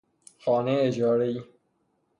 خانه اجاره ای